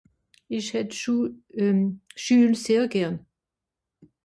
Ìch hää d'Schu... euh... Schül sehr gern.